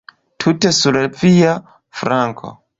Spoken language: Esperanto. Tute sur via flanko.